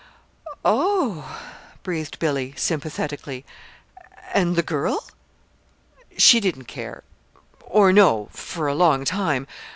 "Oh h!" breathed Billy, sympathetically. "And the girl?" "She didn't care or know for a long time.